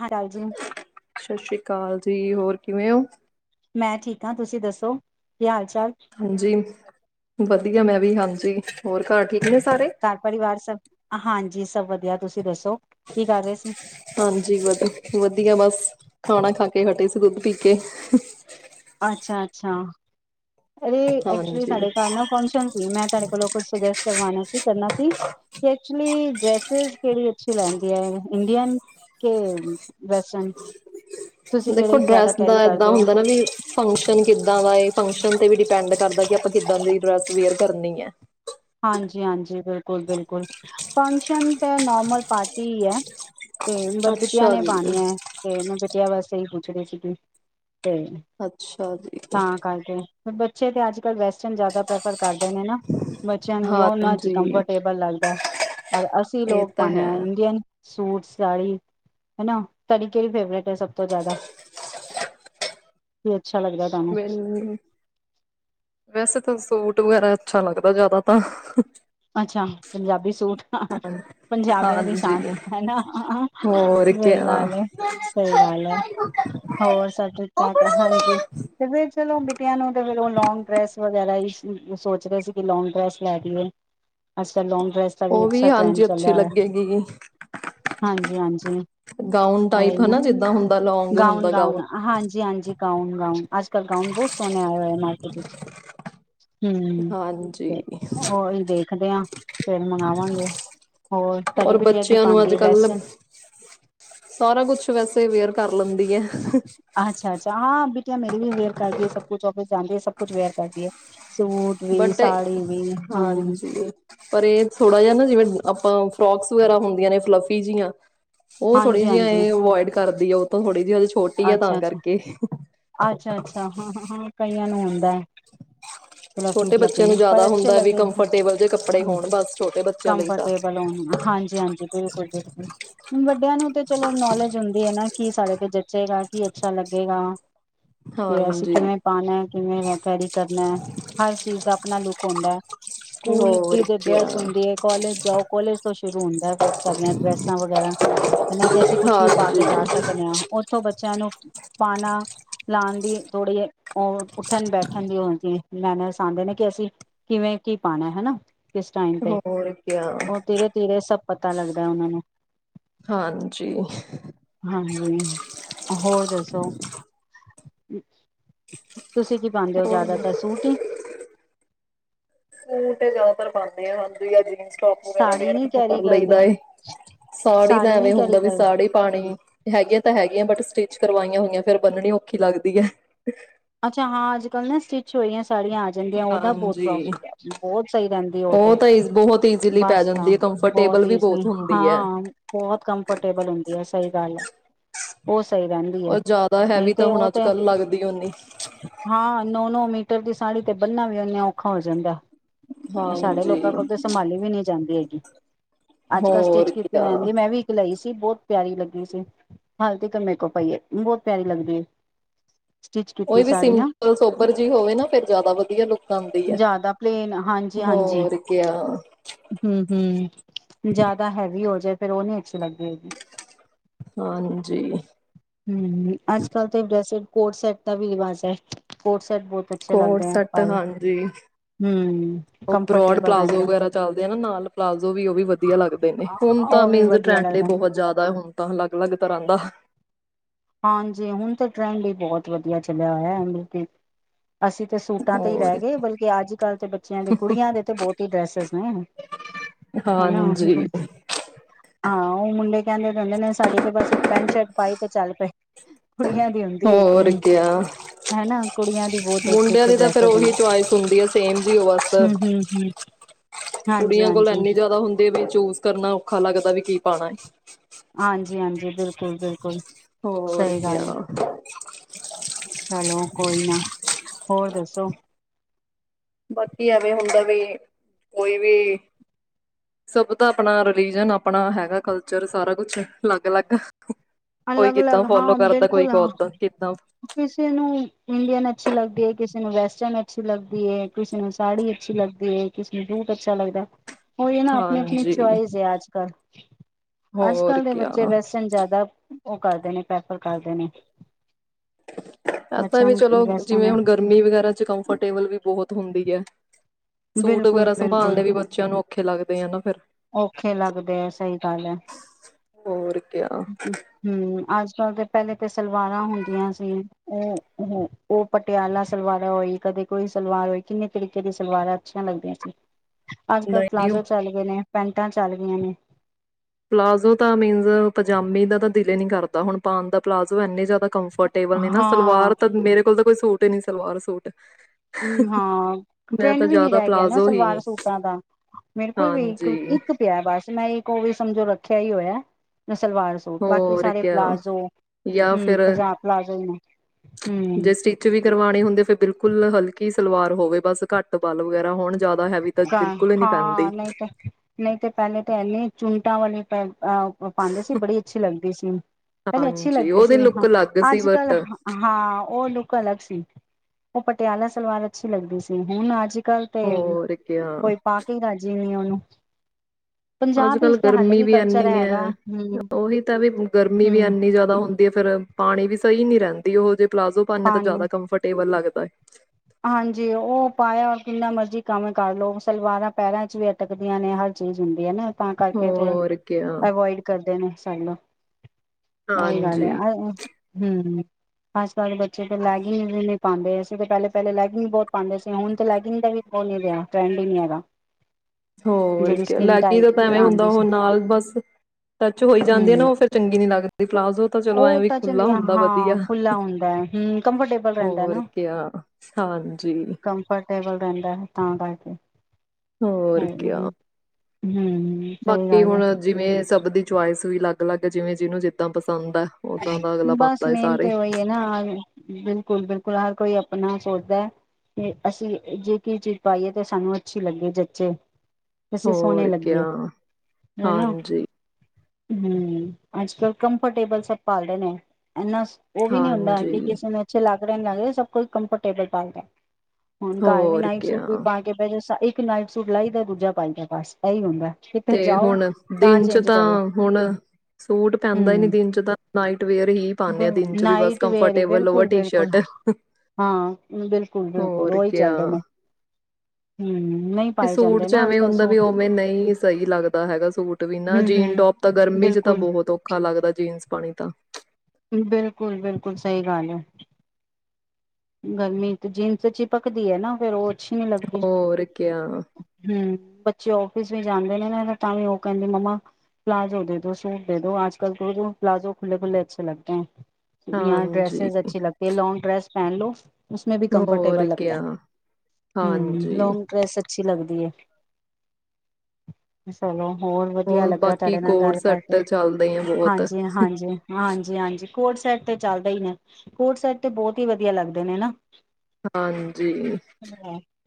ਹਾਂ ਕਾਲ ਜੀ ਸਤਿ ਸ੍ਰੀ ਅਕਾਲ ਜ ਹੋਰ ਕਿਵੇਂ ਹੋ ਮੈਂ ਠੀਕ ਹਾਂ ਤੁਸੀਂ ਦੱਸੋ ਕੀ ਹਾਲ ਚਾਲ ਹਾਂਜੀ ਵਧੀਆ ਮੈਂ ਵੀ ਹਾਂਜੀ ਹੋਰ ਘਰ ਠੀਕ ਨੇ ਸਾਰੇ? ਘਰ ਪਰਿਵਾਰ ਸਭ ਹਾਂਜੀ ਸਭ ਵਧੀਆ ਤੁਸੀ ਹਾਂਜੀ ਵਧ ਵਧੀਆ ਬਸ ਖਾਣਾ ਖਾ ਕੇ ਹਟੀੇ ਸੀ ਦੁੱਧ ਪੀ ਕੇ ਅੱਛਾ ਅੱਛਾ ਅ ਐਕਚੁਲੀ ਹਾਂਜੀ। ਸਾਡੇ ਘਰ ਨਾ ਫੰਕਸ਼ਨ ਸੀ ਮੈਂ ਤੁਹਾਡੇ ਕੋਲੋਂ ਕੁਛ ਸੁਜੈਸਟ ਕਰਵਾਣਾ ਸੀ ਕਰਨਾ ਸੀ ਐਕਚਲੀ ਡ੍ਰੈੱਸਿਸ ਕਿਹੜੀ ਅੱਛੀ ਰਹਿਣਗੀ ਇੰਡੀਆਨ ਕੇ ਵੈਟਨ ਦੇਖੋ ਡਰੈਸ ਦਾ ਇਦਾਂ ਹੁੰਦਾ ਨਾ ਵੀ ਫੰਕਸ਼ਨ ਕਿੱਦਾਂ ਦਾ ਇਹ ਫੰਕਸ਼ਨ ਤੇ ਵੀ ਡਿਪੈਂਡ ਕਰਦਾ ਕਿ ਆਪਾਂ ਕਿੱਦਾਂ ਦੀ ਡਰੈਸ ਵੇਅਰ ਕਰਨੀ ਹੈ। ਜਿਹਾ ਜੀ ਹਾਂਜੀ ਬਿਲਕੁਲ ਬਿਲਕੁਲ ਫੰਕਸ਼ਨ ਤੇ ਨੋਮਲ ਪਾਰਟੀ ਹੀ ਹੈ। ਤੇ ਬੇਟੀਆਂ ਅੱਛਾ ਨੇ ਜੀ, ਪਾਣੀ ਹੈ ਤੇ ਮੈਂ ਬੇਟੀਆ ਵਾਸਤੇ। ਇਹੀ ਪੁੱਛ ਰੇ ਸੀਗੇ ਤੇ ਅੱਛਾ ਜੀ, ਤਾਂ ਕਰਕੇ ਬੱਚੇ ਤਾਂ ਅੱਜ ਕੱਲ੍ਹ ਵੈਸਟਰਨ ਜ਼ਿਆਦਾ ਪ੍ਰੈਫਰ ਕਰਦੇ ਨੇ ਨਾ ਬੱਚਿਆਂ ਨੂੰ ਰੋਨਾਂ ਚ ਹਾਂਜੀ। ਕੰਫਰਟੇਬਲ ਲੱਗਦਾ ਹੈ ਔਰ ਅਸੀਂ ਇਹ ਲੋਕ ਤਾਂ ਪਾਉਂਦੇ ਹੈ, ਹਾਂ ਇੰਡੀਅਨ ਸੂਟ ਸਾੜੀ ਹਨਾ ਤੁਹਾਡੀ ਕਿਹੜੀ ਫੇਵਰੇਟ ਹੈ ਸਭ ਤੋਂ ਜ਼ਿਆਦਾ ਅੱਛਾ ਲੱਗਦਾ ਤੁਹਾਨੂੰ ਮੈਨੂੰ ਵੈਸੇ ਤਾਂ ਸੂਟ ਵਗੈਰਾ ਅੱਛਾ ਲੱਗਦਾ ਜ਼ਿਆਦਾ ਤਾਂ। ਅੱਛਾ ਪੰਜਾਬੀ ਸੂਟ ਪੰਜਾਬੀਆਂ ਦੀ ਸ਼ਾਨ ਹਾਂਜੀ। ਹਨ ਹੋਰ ਸਹੀ ਕਿਆ। ਗੱਲ ਹੈ ਸਹੀ ਗੱਲ ਹੈ ਹੋਰ ਸਭ ਠੀਕ ਠਾਕ ਹਾਂਜੀ ਤੇ ਫਿਰਰ ਚਲੋ ਉਹਨਾਂ ਨੂੰ ਤੇ ਫੇਰ ਉਹ ਲੋਂਗ ਡਰੈਸ ਵਗੈਰਾ ਹੀ ਸੋਚ ਰਹੇ ਸੀ ਕਿ ਲੌਂਗ ਡਰੈਸ ਲੈ ਦੀਈਏ। ਅੱਜ ਕਲ ਲੋਂਗ ਡੈਸ ਦਾ ਵੀ ਉਹ ਅੱਛਾ੍ ਟਰੇਡ ਹਾਂਜੀ ਅੱਛੀ ਚਲਿਆ ਲੱਗੇਗੀ। ਹਾਂਜੀ ਹਾਂਜੀ ਗਾਊਨ ਟਾਈਪ ਨਾ ਹਨਾ ਜਿੱਦਾਂ ਹੁੰਦਾ ਲੌਂਗ ਗਾਊਨ ਹੁੰਦਾ ਗਾਊਨ ਹਾਂਜੀ ਹਾਂਜੀ। ਜੀ ਗਾਊਨ ਗਾਊਨ ਅੱਜ ਕੱਲ੍ਹ ਗਾਊਨ ਬਹੁਤ ਸੋਹਣੇ ਆਏ ਹੋਏ ਹੈ ਮਾਰਕੀਟ ਵਿੱਚ ਹਮ ਹਾਂਜੀ ਤੇ ਉਹ। ਫੇਰ ਮਨਾਵਾਂਗੇ। ਔਰ ਬੱਚਿਆਂ ਨੂੰ ਅੱਜ ਕੱਲ ਸਾਰਾ ਕੁਛ ਵੈਸੇ ਵੇਅਰ ਕਰ ਲੈਂਦੀ ਹੈ ਅੱਛਾ ਅੱਛਾ ਹਾਂ ਬੇਟੀਆਂ ਮੇਰੀ ਵੀ ਵੇਅਰ ਕਰਦੀ ਸਭ ਕੁਛ ਔਫਿਸ ਜਾਂਦੀਏ ਸਭ ਕੁਛ ਵੇਅਰ ਕਰਦੀ ਹੈ। ਸੂਟ ਵੀ ਬਟ ਸਾੜੀ ਵੀ ਹਾਂ ਹਾਂਜੀ ਪਰ ਇਹ ਥੋੜਾ ਜਿਹਾ ਨਾ ਜਿਵੇਂ ਆਪਾਂ ਫੋਕਸ ਵਗੈਰਾ ਹੁੰਦੀਆਂ ਨੇ ਫਲੱਫੀ ਜਿਆਂ। ਉਹ ਹਾਂਜੀ ਥੋੜੀਆਂ ਜਿਹੀਆਂ ਹਾਂਜੀ ਇਹ ਅਵੋਇਡ ਕਰਦੀ ਉਹ ਥੋੜੀ ਜਿਦੀ ਅੱਛਾ ਅੱਛਾ ਅੱਛਾ ਅੱਛਾ ਹਾਂ ਹਾਂ ਹਾਂ ਕਈਆਂ ਨੂੰ ਹ ਫਲਫੀ ਛੋਟੇ ਬੱਚਿਆਂ ਫਲਫ਼ੀ ਨੂੰ ਪਰ ਜ਼ਿਆਦਾ ਅੱਛੇ ਹੁੰਦਾ ਵੀ ਲੱਗਦੇ ਕੰਫਰਟੇਬਲ ਜੇ ਕੱਪੜੇ ਹਨ ਹੋਣ ਬਸ ਛੋਟੇ ਬੱਚਿਆਂ ਲਈ ਤਾਂ। ਕੰਫਰਟੇਬਲ ਹਾਂਜੀ ਹਾਂਜੀ ਬਿਲਕੁਲ ਬਿਲਕੁਲ ਵੱਡਿਆਂ ਨੂੰ ਤੇ ਚਲੋ ਨੌਲੇਜ ਹੁੰਦੀ ਹੈ ਨਾ ਕੀ ਸਾਰੇ ਕੁਜ ਏ ਚਲਾਗੀ ਕੀ ਅੱਛਾ ਲੱਗੇਗਾ। ਤੇ ਅਸੀਂ ਹਾਂਜੀ, ਕਿਵੇਂ ਪਾਣਾ ਮੇਰਾ ਟੈਡੀ। ਕਰਨੈ ਹਰ ਚੀਜ਼ ਦਾ ਆਪਣਾ ਲੁੱਕ ਹੁੰਦਾ ਹੈ, ਸਕੂਲ ਦੀ ਹੋਰ ਜੋ ਕਿਆ ਡਰੈਸ ਹੁੰਦੀ ਹੈ ਕਾਲਜ ਜਾਓ, ਕਾਲਜ ਤੋਂ ਸ਼ੁਰੂ ਹੁੰਦਾ ਫੇਰ ਸਕਦੇ ਡਰੈਸਾਂ ਵਗੈਰਾ ਹਨਨਾ ਕਿ ਅਸੀਂ ਕੁਛ ਵੀ ਪਾ ਕੇ ਹਾਂਜੀ, ਜਾ ਸਕਨੇ, ਹਾਂ। ਉੱਥੋਂ ਬੱਚਿਆਂ ਨੂੰ ਪਾਨਾ ਲਾਣ ਦੀ ਥੋੜ੍ਹੀ ਏ, ਉਹ ਉੱਠਣ- ਬੈਠਣ ਦੀ ਓ ਹੁੰਦੀ ਏ, ਮੈਨਰਸ ਆਂਦੇ ਨੇ ਕਿ, ਅਸੀਂ ਕਿਵੇਂ ਕੀ ਪਾਉਣਾ ਹਨਾ ਕਿਸ ਟਾਈਮ ਤੇ, ਹੋਰ ਕਿਆ ਉਹ ਧੀਰੇ -ਧੀਰੇ ਸਭ ਪਤਾ ਲੱਗਦਾ ਉਹਨਾਂ ਨੂੰ ਹਾਂ ਜੀ। ਹੂੰ ਹੋਰ, ਦੱਸੋ? ਤੁਸੀਂ ਕੀ ਪਾਉਂਦੇ ਹੋ? ਹੋਰ ਜ਼ਿਆਦਾਤਰ ਸੂਟ ਹੀ ਸੂਟ ਜ਼ਿਆਦਾਤਰ ਪਾਉਂਦੇ ਆ, ਹਾਂ, ਆ ੋਪ ਵਗੈਰਾ ਸਾੜੀ ਫਰ ਨੀ ਕੈਰੀ ਕਰ ਕਰਦੇ ਲਈਦਾ ਸਾੜੀ ਦਾ, ਨੀ ਐਵੇਂ ਕੈਰੀ ਹੁੰਦਾ ਵੀ, ਕਰ ਸਾੜੀ ਪਾਣੀ ਹੈਗੀਆਂ ਤਾਂ, ਹੈਗੀਆਂ ਬਟ ਸਟਿਚ ਕਰਵਾਈਆਂ ਹੋਈਆਂ, ਫੇਿਰ ਬੰਨਣੀ ਔਖੀ ਲੱਗਦੀ ਹੈ। ਅੱਛਾ ਹਾਂ, ਅੱਜ- ਕੱਲ੍ਹ ਨਾ ਸਟਿਚ ਹੋ ਈਆਂ ਸਾੜੀਆਂ ਆ ਜਾਂਦੀਆਂ, ਉਹਦਾ, ਬਹੁਤ ਹਾਂਜੀ, ਪ੍ਰੋਫਿਟ ਬਹੁਤ ਸਹੀ ਰਹਿੰਦੀ ਉਹ ਤੇ, ਤਾਂ ਬਹੁਤ ਈਜ਼ੀਲੀ ਪੈ ਬਸ ਹਾਂ। ਜਾਂਦੀ ਹੈ ਕੰਫਰਟੇਬਲ ਬਹੁਤ ਵੀ ਇਜ਼ਲੀ ਹੁੰਦੀ ਹੈ। ਹਾਂ-ਹਾਂ, ਬਹੁਤ ਕੰਫਰਟੇਬਲ ਹੁੰਦੀ ਐ, ਸਹੀ ਗੱਲ ਐ, ਉਹ ਸਹੀ ਰਹਿੰਦੀ ਐ, ਔਰ ਜ਼ਿਆਦਾ ਹੈਵੀ ਨਹੀਂ ਤਾਂ ਤੇ, ਹੁਣ ਉਹ ਅੱਜ ਤੇ ਕੱਲ੍ਹ ਲੱਗਦੀ ਓ ਨੀ। ਹਾਂ, ਨੋ, ਨੋ, ਮ ਪ ਦੀ ਸਾੜੀ ਤੇ ਬੰਨਨਾ ਵੀ ਏਨਾ ਔਖਾ ਹੋ ਜਾਂਦੈ। ਸਾਡੇ ਹਾਂਜੀ, ਲੋਕਾਂ ਕੋਲ ਤਾਂ, ਸੰਭਾਲੀ ਵੀ ਨਹੀਂ ਜਾਂਦੀ ਹੈਗੀ। ਅੱਜ-ਕੱਲ੍ਹ ਹੋਰ ਸਟਿਚ ਕੀਤੀ ਹੋ ਕਿਆ। ਜਾਂਦੀ, ਮੈਂ ਵੀ ਇੱਕ ਲਈ ਸੀ। ਬਹੁਤ ਪਿਆਰੀ ਲੱਗੀ ਸੀ। ਹਾਲ ਤੇਕ ਮੇਰੇ ਕੋ ਪਈਏ, ਬਹੁਤ ਪਿਆਰੀ ਲੱਗਦੀ। ਸਟਿਚ ਕੀਤੀ ਉਹੀ ਵੀ, ਸਾੜੀ ਨਾ ਸਿੰਪਲ ਸੋਬਰ ਜਿ ਹੋਵੇ ਨਾ, ਫਿਰ ਜ਼ਿਆਦਾ ਵਧੀਆ ਲੁੱਕ ਆਂਦੀ ਆ ਜ਼ਿਆਦਾ ਪਲੇਨ ਹਾਂਜੀ ਹਾਂਜੀ ਹੋਰ ਕਿਆ ਹਮ ਹਮ ਜ਼ਿਆਦਾ ਹੈਵੀ ਹੋ, ਜੇ ਫੇਰ ਉਹ ਨੀ ਅੱਛੀ ਲੱਗਦੀ ਹੈਗੀ ਹਾਂਜੀ। ਹਮ, ਅੱਜ ਕਲ ਤੇ, ਵੈਸੇ, ਕੋਟ- ਸੈਟ ਵੀ ਰਵਾਜ਼ ਐ, ਕੋਟ ਸੈਟ ਬਹੁਤ ਅੱਛੇ ਕੋਟ ਲੱਗਦੇ ਹੈ ਸੇਟ, ਪਾਏ ਹਾਂਜੀ। ਹਮ ਬਰੌਡ ਕੰਫਰਟੇਬਲ ਪਲਾਜ਼ੋ ਰਹਿੰਦੇ ਵਗੈਰਾ ਚਲਦੇ ਆ, ਨਾ ਨਾਲ ਪਲਾਜ਼ੋ ਵੀ ਉਹ ਵੀ ਵਧੀਆ ਲੱਗਦੇ ਨੇ, ਹੁਣ ਤਾ ਉਹ ਵੀ ਮੀਨਜ ਵਧੀਆ ਟਰੇੰਡ ਐ, ਲੱਗਦਾ ਬਹੁਤ ਜਿਆਦਾ ਹੁਣ ਤ, ਅਲਗ- ਅਲਗ ਤਰਾਂ ਦਾ। ਹਾਂਜੀ। ਹੁਣ ਤਾਂ, ਟ੍ਰੈਂਡ ਵੀ ਬਹੁਤ ਵਧੀਆ ਚਲਿਆ ਹੋਯਾ, ਮਤਲਬ! ਅਸੀਂ ਤੇ ਸੂਟਾਂ ਤੇ, ਹੀ ਰਹਿ ਹੋਰ ਗਏ ਬਲਕਿ ਅੱਜ- ਕੱਲ ਤੇ ਬੱਚਿਆਂ ਦੇ, ਕੁੜੀਆਂ ਦੇ, ਤੇ ਬਹੁਤ ਹੀ ਡਰੈਸਿਸ ਨੇ ਹਨਾ ਹਾਂਜੀ, ਹਾਂ, ਉਹ ਮੁੰਡੇ ਕਹਿੰਦੇ ਰਹਿੰਦੇ ਨੇ ਸਾਡੇ ਤੇ, ਬਸ ਇੱਕ ਪੈਂਟ ਸ਼ਰਟ ਪਾਈ ਤੇ ਚੱਲ ਪਏ। ਕੁੜੀਆਂ ਦੀ ਹੁੰਦੀ ਹੈ ਇੱਕੋ ਹੋਰ ਹੀ ਕਿਆ, ਹਨਾ ਕੁੜੀਆਂ ਦੀ ਬਹੁਤ ਅੱਛੀ ਮੁੰਡਿਆਂ ਅੱਛੀ ਦੀ ਤਾਂ ਫੇਰ ਡਰੈਸਿਸ ਉਓਹੀ ਹੁੰਦੀ ਚੁਆਇਸ ਹੁੰਦੀ ਆ, ਸੇਮ ਜੀ ਉਹ ਬਸ। ਹੂੰ ਹੂੰ ਹੂੰ ਹਾਂਜੀ ਕੁੜੀਆਂ ਕੋਲ, ਹਾਂਜੀ ਐਨੀ ਜਿਆਦਾ ਹੁੰਦੀ ਬ ਚੂਜ ਕਰਨਾ ਔਖਾ ਲੱਗਦਾ, ਵੀ ਕੀ ਪਾਣਾ ਹੈ। ਹਾਂਜੀ -ਹਾਂਜੀ -ਬਿਲਕੁਲ। ਬਿਲਕੁਲ। ਹੋਰ ਸਹੀ ਕਿਆ ਗੱਲ ਆ, ਚਲੋ ਕੋਈ ਨਾ ਹੋਰ, ਦੱਸੋ? ਬਾਕੀ ਐਵੇਂ ਹੁੰਦਾ ਵੀ ਕੋਈ ਵੀ, ਸਭ ਦਾ ਆਪਣਾ ਰਿਲੀਜਨ, ਆਪਣਾ ਹੈਗਾ ਕਲਚਰ, ਸਾਰਾ ਕੁਛ, ਅਲੱਗ ਅਲੱਗ ਅਲੱਗ -ਅਲੱਗ ਹਾਂ ਕੋਈ ਬਿਲਕੁਲ ਹਾਂ ਓਦਾਂ ਕਿੱਦਾਂ ਕਿਸੇ ਨੂੰ ਇੰਡੀਅਨ ਅੱਛੀ ਲੱਗਦੀ ਹੈ ਕਿਸੇ ਕਿਸੇ ਨੂੰ ਵੈਸਟਰਨ ਅੱਛੀ ਲੱਗਦੀ ਏ ਕਿਸੇ ਨੂੰ ਸਾੜੀ ਅੱਛੀ ਲੱਗਦੀ ਏ ਕਿਸੇ ਨੂੰ ਸੂਟ ਅੱਛਾ ਲੱਗਦਾ। ਹੋਹੀ ਹੈ ਨਾ ਆਪਣੇ ਆਪਣੀ ਹਾਂਜੀ ਚੁਆਇਸ ਹੈ ਅੱਜ ਕੱਲ। ਅੱਜ ਹੋਰ ਕੱਲ੍ਹ ਦੇ ਕਿਆ ਬੱਚੇ ਵੈਸਟਰਨ ਜ਼ਿਆਦਾ ਉਹ ਕਰਦੇ ਨੇ ਪੈਫਰ ਕਰਦੇ ਨੇ। ਇਦਾਂ ਬੱਚਿਆਂ ਵੀ ਚਲੋ ਨੂੰ ਜਿਵੇਂ ਵੈਸਟਰਨ ਹੁਣ ਗਰਮੀ ਵਗੈਰਾ 'ਚ ਕੰਫਰਟੇਬਲ ਵੀ ਬਹੁਤ ਹੁੰਦੀ ਏ। ਸੂਟ ਬਿਲਕੁਲ ਵਗੈਰਾ ਸੰਭਾਲ ਬਿਲਕੁਲ ਲਈ ਵੀ ਬੱਚਿਆਂ ਨੂੰ ਔਖੇ ਲੱਗਦੇ ਆ ਨਾ ਫਿਰ, ਔਖੇ ਲੱਗਦੇ ਆ ਸਹੀ ਗੱਲ ਹੈ ਹੋਰ ਕਿਆ। ਹਮ ਅੱਜ ਪਹਿਲੇ ਤੇ ਸਲਵਾਰਾਂ ਹੁੰਦੀਆਂ ਸੀ, ਉਹ ਉਹ ਪਟਿਆਲਾ ਸਲਵਾਰਾਂ ਹੋਈ ਕਦੇ ਕੋਈ ਸਲਵਾਰ ਹੋਈ ਕਿੰਨੇ ਤਰੀਕੇ ਦੀ ਸਲਵਾਰਾਂ ਅੱਛੀਆ ਲੱਗਦੀਆਂ ਸੀ। ਅੱਜ ਕੱਲ ਨਹੀਂ ਪਲਾਜ਼ੋ ਚੱਲ ਗਏ ਨੇ ਪੈਂਟਾਂ ਚੱਲ ਗਈਆਂ ਨੇ। ਦਿਲੇ ਨੀ ਕਰਦਾ ਹੁਣ ਪਾਣ ਦਾ ਪਲਾਜੋ ਇੰਨੇ ਜ਼ਿਆਦਾ ਕੰਫਰਟੇਬਲ ਨੇ ਨਾ ਸਲਵਾਰ ਹਾਂ ਤਾਂ ਮੇਰੇ ਕੋਲ ਤਾਂ ਕੋਈ ਸੂਟ ਤੇ ਸਲਵਾਰ ਸੂਟ ਹੂੰ ਹੂੰ ਮੈਂ ਟਰੈਂਡ ਤਾਂ ਵੀ ਨੀ ਜ਼ਿਆਦਾ ਰਹਿ ਗਿਆ ਨਾ ਪਲਾਜ਼ੋ ਹੀ ਸਲਵਾਰ ਸੂਟਾਂ ਦਾ ਮੇਰੇ ਕੋਲ ਵੀ ਇੱਕ ਹਾਂਜੀ -ਇੱਕ ਪਿਆ ਬਸ ਮੈਂ ਇੱਕ ਉਹ ਵੀ ਸਮਝੋ ਰੱਖਿਆ ਹੀ ਹੋਇਆ ਸਲਵਾਰ ਸੂਟ ਬਾਕੀ ਹੋਰ ਸਾਰੇ ਕਿਆ ਪਲਾਜ਼ੋ ਜਾਂ ਹੂ ਫਿਰ ਪੰਜਾ ਪਲਾਜ਼ੋ ਹੀ ਨੂੰ [unintelligible] ਜੇ ਸਟਿਚ ਵੀ ਕਰਵਾਉਣੇ ਹੁੰਦੇ ਫਿਰ ਬਿਲਕੁਲ ਹਲਕੇ ਸਲਵਾਰ ਹੋਵੇ ਬਸ ਘੱਟ ਬੱਲ ਵਗੈਰਾ ਹੋਣ ਜ਼ਿਆਦਾ ਹੈਵੀ ਤਾਂ ਬਿਲਕੁਲ ਹੀ ਨਹੀਂ ਹਾਂ ਪੈਂਦੀ ਨਹੀ ਤਾਂ ਨਹੀ ਤੇ ਪਹਿਲੇ ਤਾਂ ਇਨੀ ਚੁਨਟਾਂ ਵਾਲੀ ਪੈ ਅਹ ਪਾਉਂਦੇ ਸੀ ਬੜੀ ਅੱਛੀ ਲੱਗਦੀ ਸੀ ਪਹਿਲੇ ਅੱਛੀ ਹਾਂਜੀ ਲੱਗਦੀ ਉਹਦੀ ਸੀ ਹਾਂ ਲੁੱਕ ਅਲੱਗ ਸੀ ਅੱਜ ਬਟ ਕੱਲ੍ਹ ਹਾਂ ਉਹ ਲੁੱਕ ਅਲੱਗ ਸੀ। ਉਹ ਪਟਿਆਲਾ ਸਲਵਾਰ ਅੱਛੀ ਲੱਗਦੀ ਸੀ ਹੁਣ ਅੱਜ ਗੱਲ ਤੇ ਹੋਰ ਕਿਆ ਕੋਈ ਪਾ ਕੇ ਰਾਜੀ [unintelligible] ਅੱਜ ਪੰਜਾਬ ਕੱਲ੍ਹ ਵਿੱਚ ਤੇ ਹਾਲੇ ਗਰਮੀ ਵੀ ਕਲਚਰ ਇਨੀ ਹੈਗਾ ਹੈ। ਹੂੰ ਉਹੀ ਤਾਂ ਵੀ ਗਰਮੀ ਵੀ ਹੂੰ ਇਨੀ ਜ਼ਿਆਦਾ ਹੁੰਦੀ ਹੈ। ਫੇਰ ਪਾਣੀ ਵੀ ਸਹੀ ਨੀ ਰਹਿੰਦੀ ਉਹ ਜਿਹੇ ਪਲਾਜ਼ੋ ਪਾਉਨੇ ਤਾਂ ਪਾਣੀ ਜ਼ਿਆਦਾ ਕੰਫਰਟੇਬਲ ਲੱਗਦਾ। ਪਾਏ ਹਾਂਜੀ ਉਹ ਪਾਇਆ ਰ ਕਿੰਨਾ ਮਰਜੀ ਕੰਮ ਕਰ ਲਓ ਸਲਵਾਰਾਂ ਪੈਰਾਂ ਚ ਵੀ ਅਟਕਦੀਆਂ ਨੇ ਹਰ ਚੀਜ਼ ਹੁੰਦੀ ਹੈ ਨੇ ਤਾਂ ਕਰਕੇ ਥੋੜ ਹੋਰ ਕਿਆ। ੳਵਾਇਡ ਕਰਦੇ ਨੇ ਚਾਹੀਦਾ ਇਹੀ ਗੱਲ ਏ ਹਾਂਜੀ [unintelligible] ਹਮ ਅੱਜ ਕੱਲ ਦੇ ਬੱਚੇ ਫੇਰ [unintelligible] ਹੀ ਵੀ ਨਹੀਂ ਪਾਉਂਦੇ ਅਸੀਂ ਤਾਂ ਪਹਿਲੇ ਪਹਿਲੇ ਲੈਗਿੰਗ ਬਹੁਤ ਪਾਉਂਦੇ ਸੀ ਹੁਣ ਤਾਂ ਲੈਗਿੰਗ ਦਾ ਵੀ ਉਹ ਨੀ ਰਿਹਾ ਟਰੈਂਡ ਹੀ ਨੀ ਹੈਗਾ। ਹੋਰ ਜਿਹੜੀ ਕਿਆ ਸਕਿਨ ਲੈਗੀ ਦਾ ਤਾਂ ਟਾਈਪ ਐਵੇਂ ਹੁੰਦਾ ਆਉਂਦੀ ਉਹ ਸੀ ਨਾਲ ਬਸ ਟੱਚ ਹੋਈ ਜਾਂਦੀ ਆ ਨਾ ਹਮ ਉਹ ਫਰ ਚੰਗੀ ਨੀ ਲੱਗਦੀ ਪਲਾਜ਼ੋ ਤਾਂ ਚਲੋ ਉਹ ਐਵੇ ਤਾਂ ਚ ਖੁਾ ਹੁੰਦਾ ਵਧੀਆ, ਹਾਂ ਖੁੱਲਾ ਹੁੰਦਾ ਹੈ ਹਮ ਕੰਫਰਟੇਬਲ ਰਹਿੰਦਾ ਹੋਰ ਨਾ ਕਿਆ। ਹਾਂਜੀ ਕੰਫਰਟੇਬਲ ਰਹਿੰਦਾ ਹੈ ਤਾਂ ਹੋਰ ਕਿਆ। ਹਮ ਸਹੀ ਬਾਕੀ ਗੱਲ ਹੈ ਹੁਣ ਜਿਵੇਂ ਸਭ ਦੀ ਚਆਇਸ ਵੀ ਲੱਗ ਅਲੱਗ ਏ ਜਿਵੇਂ ਜਿਨੂੰ ਜਿੱਦਾਂ ਪਸੰ ਬਸ ਮੇਨ ਤੇ ਉਹੀ ਹੈ ਨਾ ਬਿਲਕੁਲ-ਬਿਲਕੁਲ ਹਰ ਕੋਈ ਆਪਣਾ ਸੋਚਦਾ ਕਿ ਅਸੀਂ ਜੇ ਕੀ ਚੀਜ਼ ਪਾਈਏ ਤਾਂ ਸਾਨੂੰ ਅੱਛੀ ਲੱਗੇ ਜੱਚੇ। ਅਸੀਂ ਸੋਹਣੇ ਹੋਰ ਲੱਗੀਏ ਕਿਆ ਹਨਾ ਹਾਂਜੀ। ਹਮ ਅੱਜ ਕੱਲ ਕੰਫਰਟੇਬਲ ਸਭ ਪਾਲਦੇ ਨੇ ਇਨਾ ਉਹ ਵੀ ਨੀ ਹੁੰਦਾ ਕਿ ਹਾਂਜੀ-ਹਾਂਜੀ। ਕਿਸੇ ਨੇ ਅੱਛੇ ਲੱਗ [unintelligible] ਸਭ ਕੁਈ ਕੰਫਰਟੇਬਲ ਪਾਂਦਾ। ਹੁਣ ਘਰ ਵੀ ਹੋਰ ਨਾਈ ਕਿਆ ਸੂਟ ਪਾ ਕੇ ਬਹਿ ਜੋ ਇੱ ਨਾਈਟ ਸੂਟ ਲਾਈ ਦਾ ਦੂਜਾ ਪਾਈ ਦਾ ਬਸ ਇਹੀ ਹੁੰਦਾ। ਕਿਤੇ ਤੇ ਜਾਓ ਹੁਣ ਦਿਨ ਚ ਚੇਂਜ ਤਾਂ ਕਰੋ ਹੁਣ ਸੂਟ ਪੈਂਦਾ ਹੀ ਨੀ ਹਮ ਦਿਨ ਚ ਨਾਈਟ ਵੇਅਰ ਹੀ ਪਾਦੇ ਆ ਦਿਨ ਚ ਵੀ ਬਸ ਨਾਈਟ ਵੇਅਰ ਹੀ ਕੰਫਰਟੇਬਲ ਲੋਵਰ ਬਿਲਕੁਲ ਬਿਲਕੁਲ ਟੀ-ਸ਼ਰਟ ਟੀ ਹਾਂ ਬਿਲਕੁਲ ਬਿਲਕੁਲ ਹੋਰ ਉਹੀ ਕਿਆ। ਚੱਲਦੇ ਨੇ ਹਮ ਨਹੀਂ ਪਾਏ ਸੂਟ ਜਾਂਦੇ ਚ ਨਾ ਅੱਜ ਐਵੇਂ ਕੱਲ੍ਹ ਹੁੰਦਾ ਵੀ ਸੂਟ ਉਵੇਂ ਨਹੀਂ ਸਹੀ ਲੱਗਦਾ ਹੈਗਾ ਸੂਟ ਵੀ ਨਾ ਹਮ ਹਮ ਜੀਨ-ਟੋਪ ਤਾਂ ਗਰਮੀ ਚ ਤਾਂ ਬਿਲਕੁਲ ਬਹੁਤ ਔਖਾ ਲੱਗਦਾ ਜੀਨਸ ਪਾਣੀ ਤਾਂ। ਬਿਲਕੁਲ [unintelligible] ਗਰਮੀ ਤੇ ਜੀਨਸ ਚਿਪਕਦੀ ਹੈ ਨਾ ਫੇਰ ਉਹ ਅੱਛੀ ਨੀ ਲੱਗਦੀ ਹੋਰ ਕਿਆ ਹਮ। ਬੱਚੇ ਆਫਿਸ ਵੀ ਜਾਂਦੇ ਨੇ ਨਾ ਤਾਂ ਵੀ ਉਹ ਕਹਿੰਦੇ ਮਾਮਾ ਪਲਾਜ਼ੋ ਦੇ-ਦੋ, ਸੂਟ ਦੇ-ਦੋ ਅਜ ਕੱਲ ੜ ਪਲਾਜ਼ੋ ਖੁੱਲੇ-ਖੁੱਲ੍ਹੇ ਅੱਛੇ ਲੱਗਦੇ ਆ। ਯਾ ਹਾਂਜੀ ਡੈਸਜ਼ ਅੱਛੀ ਲਗਤੇ ਲੋਂਗ ਡ੍ਰੈਸ ਪੈਨ ਲੋ। ਉਸਮੇ ਭੀ ਹੋਰ ਕੰਫਰਟੇਬਲ ਲਗਤਾ ਹੈ। ਕਿਆ ਹਮ ਹਾਂਜੀ ਲੌਗ ਡ੍ਰੈਸ ਅੱਛੀ ਲੱਗਦੀ ਹੈ ਚਲੋ ਬਹੁਤ ਵਧੀਆ ਹੋਰ ਲੱਗਾ ਬਾਕੀ ਤੁਹਾਡੇ ਨਾਲ ਕੋਡ ਗੱਲ ਸੈਟ ਕਰਕੇ ਚੱਲਦੇ ਆ ਬਹੁਤ ਹਾਂਜੀ-ਹਾਂਜੀ, ਹਾਂਜੀ-ਹਾਂਜੀ। ਕੋਟ ਸੈੱਟ ਤੇ ਚੱਲਦਾ ਹੀ ਨਾ ਕੋਟ ਸੈੱਟ ਤੇ ਬਹੁਤ ਵਧੀਆ ਲੱਗਦੇ ਨੇ ਨਾ ਹਾਂਜੀ,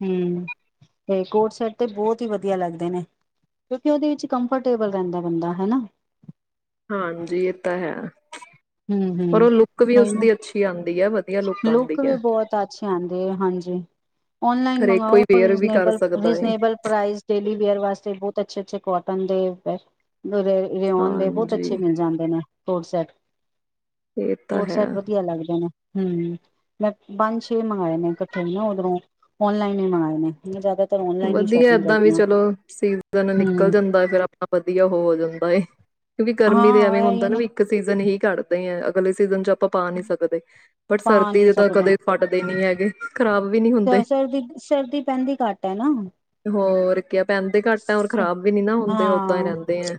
ਹੂੰ, ਤੇ ਕੋਟ ਸੈਟ ਤੇ ਬਹੁਤ ਹੀ ਵਧੀਆ ਲੱਗਦੇ ਨੇ ਕਿਉਂਕਿ ਉਹਦੇ ਵਿੱਚ ਕੰਫਰਟੇਬਲ ਰਹਿੰਦਾ ਬੰਦਾ ਹਨਾ ਹਾਂਜੀ ਇਹ ਤਾਂ ਹੈ। ਹਮ ਪਰ ਉਹ ਲੁੱਕ ਵੀ ਉਸਦੀ ਅੱਛੀ ਆਂਦੀ ਐ ਵ ਲੁਕ ਵੀ ਬਹੁਤ ਅੱਛੀ ਆਂਦੀ ਹਾਂਜੀ ਆਨਲਾਈਨ ਹਰੇਕ ਮੰਗਓ ਕੋਈ ਵੇਅਰ ਵੀ ਕਰ ਸਕਦਾ ਏ [unintelligible] ਡੇਲੀ ਵੇਅਰ ਵਾਸਤੇ ਅੱਛੇ ਅੱਛੇ ਕੋਟਨ ਦੇ ਫ [unintelligible] ਰਉਣ ਦੇ ਬਹੁਤ ਹਾਂਜੀ ਅੱਛੇ ਮਿਲ ਜਾਂਦੇ ਨੇ ਕੋਰਡ ਸੈੱਟ ਇਹ ਤਾਂ ਕੋਰਟ ਸੈਟ ਹੈ। ਵਧੀਆ ਲੱਗਦੇ ਨੇ ਹੂੰ, ਮੈਂ ਪੰਜ ਛੇ ਮੰਗਵਾਏ ਨੇ ਇਕੱਠੇ ਨਾ ਉਧਰੋਂ ਔਨਲਾਈਨ ਹੀ ਮੰਗਵਾਏ ਨੇ ਜ਼ਿਆਦਾ ਵਧੀਆ ਏਦਾਂ ਵੀ ਚਲੋ ਸੀਜਨ ਨਿਕਲ ਹੂੰ ਜਾਂਦਾ ਫੇਰ ਆਪਣਾ ਵਧੀਆ ਹੋ ਜਾਂਦਾ ਹੈ ਕਿਉਂਕਿ ਗਰਮੀ ਦਾ ਹਾਂ ਐਵੇਂ ਹੁੰਦਾ ਇਹ ਨਾ ਵੀ ਇੱਕ ਸੀਜਨ ਹੀ ਘੱਟਦੇ ਆ ਅਗਲੇ ਸੀਜ਼ਨ ਚ ਆਪ ਆਪਾਂ ਪਾ ਨਹੀਂ ਸਕਦੇ ਬਟ ਪਾ ਸਰਦੀ ਨਹੀਂ ਦੇ ਤਾਂ ਸਕਦਾ ਕਦੇ ਫਟਦੇ ਨਹੀਂ ਹੈਗੇ ਖ਼ਰਾਬ ਵੀ ਨਹੀਂ ਹੁੰਦੇ। ਸਰਦੀ ਸਰਦੀ ਪੈਂਦੀ ਘੱਟ ਹੈ ਹੈਨਾ ਹੋਰ ਕਿਆ ਪੈਂਦੇ ਘੱਟ ਆ ਔਰ ਖ਼ਰਾਬ ਵੀ ਨੀ ਨਾ ਹੁੰਦੇ ਓਦਾਂ ਹੀ ਹਾਂ, ਰਹਿੰਦੇ ਆ।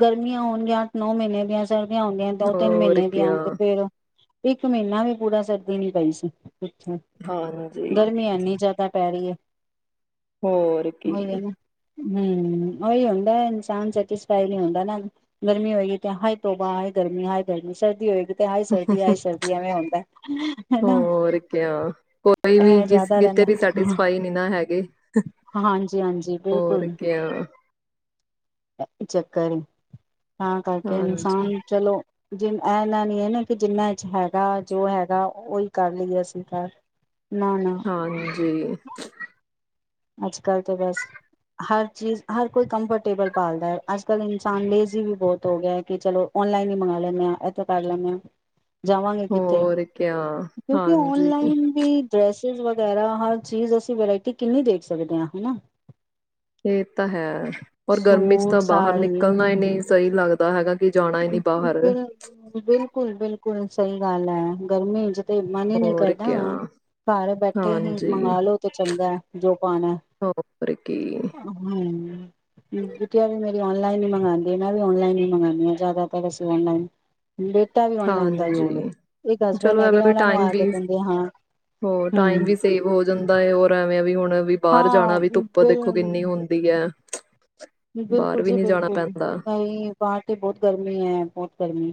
ਗਰਮੀਆਂ ਹੋਣ ਗਈਆਂ ਨੌ ਮਹੀਨੇ ਦੀਆਂ ਵੀ ਆਉਂਦੀਆਂ ਦੋ ਤਿੰਨ ਹੋਰ ਮਹੀਨੇ ਵੀ ਕਿਆ ਆਉਦੇ ਫੇਰ ਇੱਕ ਮਹੀਨਾ ਵੀ ਪੂਰਾ ਸਰਦੀ ਨੀ ਪਈ ਸੀ ਅੱਛਾ। ਹਾਂਜੀ ਗਰਮੀ ਐਨੀ ਜ਼ਿਆਦਾ ਪੈ ਰਹੀ ਐ ਹੋਰ ਕੀ ਹੂੰ, ਉਹੀ ਹੁੰਦਾ ਇਨਸਾਨ ਸੈਟਿਸਫਾਈ ਨਹੀਂ ਹੁੰਦਾ ਨਾ ਗਰਮੀ ਹੋਏਗੀ ਤੇ ਹਾਏ ਤੋਬਾ ਹਾਏ ਗਰਮੀ ਹਾਏ ਗਰਮੀ ਸਰਦੀ ਹੋਏਗੀ ਤੇ ਹਾਏ ਸਰਦੀ ਹਾਏ ਸਰਦੀ ਐਵੇਂ ਹੁੰਦਾ ਹਨਾ ਕਈ ਵੀ ਇਹ ਜ਼ਿਆਦਾ ਕਿਤੇ ਰਹਿੰਦਾ ਵੀ ਸੈਟਿਸਫਾਈ ਨੀ ਨਾ ਹੈਗੇ ਹਾਂਜੀ ਹਾਂਜੀ ਹੋਰ ਬਿਲਕੁਲ ਕੀ ਹ ਚੱਕਰ ਤਾਂ ਕਰਕੇ ਹਾਂਜੀ ਇਨਸਾਨ ਚਲੋ ਜਿ ਇਨਾ ਨੀ ਹੈ ਨਾ ਕਿ ਜਿੰਨਾ ਚ ਹੈਗਾ ਜੋ ਹੈਗਾ ਉਹੀ ਕਰ ਲਈਏ ਅਸੀਂ ਘਰ ਹਾਂਜੀ ਹੂੰ, ਅੱਜ ਕੱਲ੍ਹ ਤਾਂ ਬਸ ਹਰ ਚੀਜ਼ ਹਰ ਕੋਈ ਕੰਫਰਟੇਬਲ ਪਾਲਦਾ ਹੈ ਅੱਜ ਕੱਲ ਇਨਸਾਨ ਲੇਜ਼ੀ ਵੀ ਬਹੁਤ ਹੋ ਗਿਆ ਕਿ ਚਲੋ ਓਨਲਾਈਨ ਹੀ ਮੰਗਵਾ ਲੈਂਦੇ ਆਾਂ ਇਥੋਂ ਕਰ ਲੈਂਦੇ ਆਾਂ ਜਾਵਾਂਗੇ ਕਿੱਥੇ ਹੋਰ ਕਿਆ ਕਿਉਂਕਿ ਹਾਂਜੀ ਔਨਲਾਈਨ ਵੀ ਡਰੈਸ ਵਗੈਰਾ ਹਰ ਚੀਜ਼ ਅਸੀਂ ਵਰਾਇਟੀ ਕਿੰਨੀ ਦੇਖ ਸਕਦੇ ਹਾਂ ਹੈ ਨਾ। ਤੇ ਤਾਂ ਹੈ ਪਰਰ ਗਰਮੀ ਚ ਤਾਂ ਬਾਹਰ ਸਾੜੀ ਨਿਕਲਣਾ ਹੀ ਨਹੀਂ ਸਹੀ ਲੱਗਦਾ। ਉਹ ਤਾ ਹੈਗਾ। ਕਿ ਜਾਣਾ ਹੀ ਨਹੀਂ ਬਿਲ, ਬਾਹਰ ਬਿਲਕੁਲ- ਬਿਲਕੁਲ। ਬਿਲਕੁਲ, ਸਹੀ ਗੱਲ ਹੈ, ਗਰਮੀ ਚ ਤੇ ਮਨ ਹੀ ਨੀ ਹੋਰ ਕਰਦਾ, ਕਿਆ ਘਰ ਬੈਠੇ ਹੀ ਹਾਂਜੀ ਮੰਗਾਲਓ ਤੇ ਚੰਗਾ, ਜੋ ਪਾਣਾ ਹੋਰ ਕੀ ਹੂੰ ਬਿਟੀਆ ਵੀ ਮੇਰੀ ਔਨਲਾਈਨ ਹੀ ਮੰਗਉਂਦੀ ਮੈ ਵੀ ਆਨਲਾਈਨ ਹੀ ਮੰਗਾਨਿਆ। ਜਿਆਦਾਤਰ ਅਸੀ ਆਨਲਾਈਨ। ਹਾਂਜੀ, ਇੱਕ ਹਸਬੈਂਡ ਚਲੋ ਹੈਗੇ ਐਵੇਂ ਵੀ ਉਹਨਾਂ ਨੂੰ ਟਾਈਮ ਵੀ ਆਦਤ ਹੁੰਦੀ ਹਾਂ ਟਾਈਮ ਹਮ ਵੀ ਸੇਵ ਹੋ ਜਾਂਦਾ ਹੈਰ ਐਵੇਂ ਵੀ ਹੁਣ ਬਾਹਰ ਜਾਣਾ ਹਾਂ ਵੀ ਧੁੱਪ ਦੇਖੋ ਬਿਲ ਕਿੰਨੀ ਹੁੰਦੀ ਹੈ। ਹਾ ਬਿਲਕੁਲ ਜੀ ਬਿਲਕੁਲ, ਨਹੀਂ ਬਾਹਰ ਤੇ ਬਹੁਤ ਗਰਮੀ ਹੈ ਬਹੁਤ ਗਰਮੀ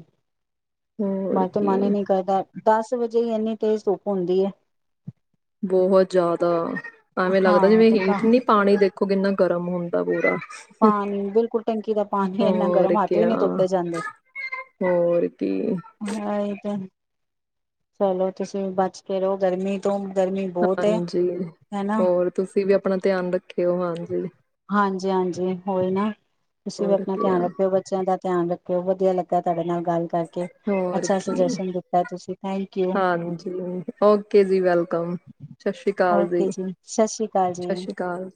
ਹੋਰ ਮਾਰੇ ਤੇ ਕੀ ਮਨ ਨਹੀਂ ਕਰਦਾ। ਦਸ ਵਜੇ ਹੀ ਇੰਨੀ ਤੇਜ਼ ਧੁਪ ਹੁੰਦੀ ਹੈ। ਬਹੁਤ ਜ਼ਿਆਦਾ ਐਵੇਂ ਲੱਗਦਾ ਹਾਂ ਜਿਵੇਂ ਤੇ ਹੇਠ ਨੀ ਪਾਣੀ ਦੇਖੋ ਕਿੰਨਾ ਗਰਮ ਹੁੰਦਾ। ਦਾ ਪੂਰਾ ਪਾਣੀ ਬਿਲਕੁਲ ਟੰਕੀ ਦਾ ਪਾਣੀ ਇੰਨਾ ਹੋਰ ਗਰਮ ਹੱਥ ਵੀ ਕਿਆ ਨਹੀਂ ਧੋਤੇ ਜਾਂਦੇ, ਹੋਰ ਕੀ ਤਾਂਇ ਤੇ। ਚਲੋ, ਤੁਸੀਂ ਬਚ ਕੇ ਰਹੋ ਗਰਮੀ ਤੋਂ। ਗਰਮੀ ਬਹੁਤ ਹੈ ਹਾਂਜੀ, ਹਨਾ ਹੋਰ ਤੁਸੀਂ ਵੀ ਆਪਣਾ ਧਿਆਨ ਰੱਖਿਓ ਹਾਂ। ਹਾਂ। ਹਾਂਜੀ-ਹਾਂਜੀ, ਉਹੀ ਨਾ। ਤੁਸੀਂ ਵੀ ਹੋਰ ਆਪਣਾ ਕਿਆ ਧਿਆਨ ਰੱਖਿਓ ਬੱਚਿਆਂ ਦਾ ਧਿਆਨ ਰੱਖਿਓ ਵਧੀਆ ਲੱਗਾ ਤੁਹਾਡੇ ਨਾਲ ਗੱਲ ਕਰਕੇ ਹੋਰ ਅੱਛਾ ਕੀ ਸੁਜੈਸ਼ਨ ਦਿੱਤਾ ਤੁਸੀਂ ਥੈਂਕ ਯੂ ਹਾਂਜੀ, ਓਕੇ ਜੀ ਵੈਲਕਮ, ਸਤਿ ਸ੍ਰੀ ਅਕਾਲ ਜੀ ਓਕੇ ਸ਼੍ਰੀ ਅਕਾਲ ਜੀ। ਸਤਿ ਸ੍ਰੀ ਅਕਾਲ।